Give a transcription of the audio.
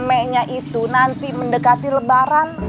ramenya itu nanti mendekati lebaran